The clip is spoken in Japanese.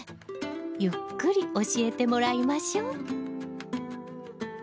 ゆっくり教えてもらいましょう。